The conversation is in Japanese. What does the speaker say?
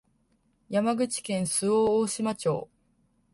山口県周防大島町